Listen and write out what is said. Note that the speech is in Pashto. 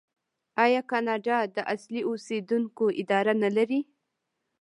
آیا کاناډا د اصلي اوسیدونکو اداره نلري؟